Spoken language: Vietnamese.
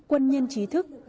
quân nhân trí thức